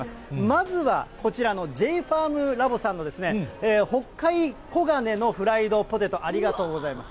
まずはこちらのＪファームラボさんの北海黄金のフライドポテト、ありがとうございます。